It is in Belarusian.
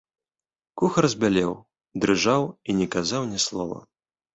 Кухар збялеў, дрыжаў і не казаў ні слова.